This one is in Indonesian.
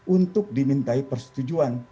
untuk dimintai persetujuan